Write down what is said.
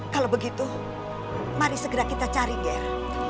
kalau begitu mari segera kita cari ger